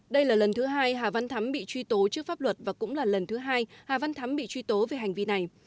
đây là lần thứ hai hà văn thắm bị truy tố trước pháp luật và cũng là lần thứ hai hà văn thắm bị truy tố về hành vi này